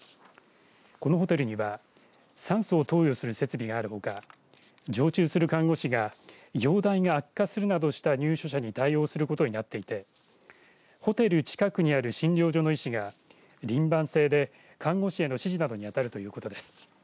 このホテルには酸素を投与する設備があるほか常駐する看護師が容体が悪化するなどした入所者に対応することになっていてホテル近くにある診療所の医師が輪番制で看護師への指示などに当たるということです。